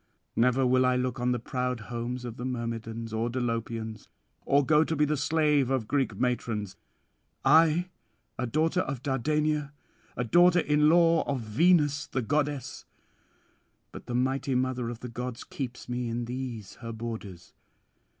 Never will I look on the proud homes of the Myrmidons or Dolopians, or go to be the slave of Greek matrons, I a daughter of Dardania, a daughter in law of Venus the goddess. ... But the mighty mother of the gods keeps me in these her borders.